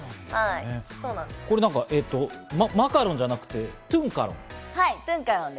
これはマカロンじゃなくてトゥンカロン。